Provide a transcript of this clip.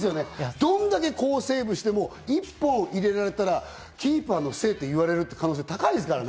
どれだけ好セーブしても１本入れられたらキーパーのせいって言われる可能性、高いですからね。